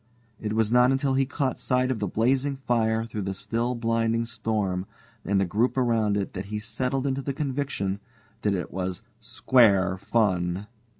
It was not until he caught sight of the blazing fire through the still blinding storm and the group around it that he settled to the conviction that it was "square fun."